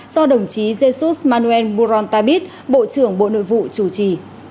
do đồng chí jesus manuel moontabit bộ trưởng bộ nội vụ chủ trì